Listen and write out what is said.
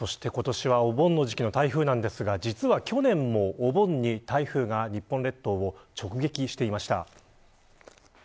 そして今年はお盆の時期の台風ですが実は去年も、お盆に台風が日本列島を直撃していました。